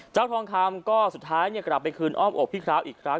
เจ้าทองคำก็สุดท้ายเนี่ยกลับไปคืนอ้อมอบพี่คาวอีกครั้ง